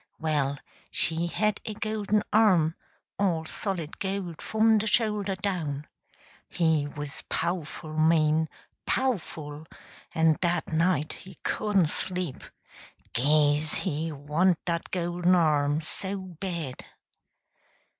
Well, she had a golden arm all solid gold, fum de shoulder down. He wuz pow'ful mean pow'ful; en dat night he couldn't sleep, Gaze he want dat golden arm so bad.